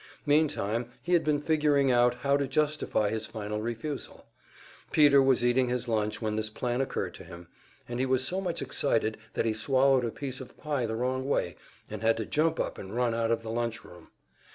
Meantime he had been figuring out how to justify his final refusal. Peter was eating his lunch when this plan occurred to him, and he was so much excited that he swallowed a piece of pie the wrong way, and had to jump up and run out of the lunch room.